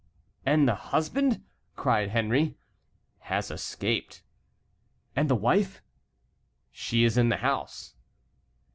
"And the husband?" cried Henry. "Has escaped." "And the wife?" "She is in the house."